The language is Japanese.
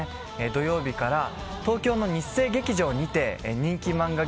土曜日から東京の日生劇場にて人気漫画